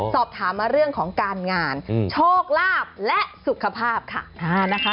สอบถามมาเรื่องของการงานโชคลาภและสุขภาพค่ะนะคะ